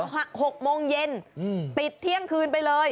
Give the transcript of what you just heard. ประยาศจาก๖โมงเย็นปิดเที่ยงคืนไปเลย